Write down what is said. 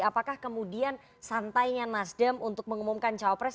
apakah kemudian santainya nasdem untuk mengumumkan cawapres